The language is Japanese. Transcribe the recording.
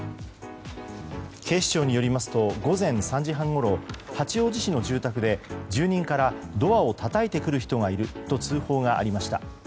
警視庁によりますと午前３時半ごろ八王子市の住宅で、住人からドアをたたいてくる人がいると通報がありました。